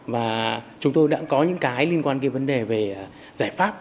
và chúng tôi đã có những cái liên quan cái vấn đề về giải pháp